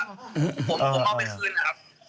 ผมเอาไปคืนนะครับ